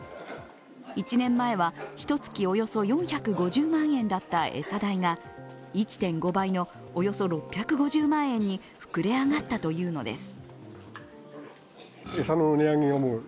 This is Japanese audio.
１年前はひと月、およそ４５０万円だった餌代が１．５倍のおよそ６５０万円に膨れ上がったというのです。